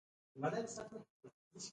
سوالګر ته د کوچني ماشوم لاسونه دعا ښکاري